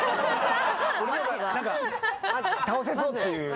俺なら何か倒せそうっていう。